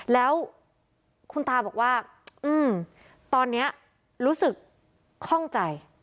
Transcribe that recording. แล้วคุณตาบอกว่าตอนนี้รู้สึกคล่องใจ